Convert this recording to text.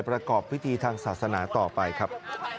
ประกอบพิธีทางศาสนาต่อไปครับ